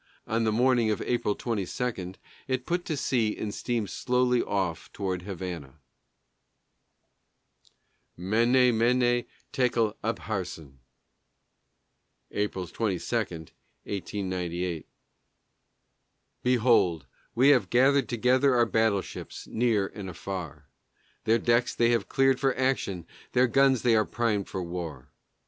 On the morning of April 22, it put to sea and steamed slowly off toward Havana. "MENE, MENE, TEKEL, UPHARSIN" [April 22, 1898] Behold, we have gathered together our battleships, near and afar; Their decks they are cleared for action, their guns they are primed for war.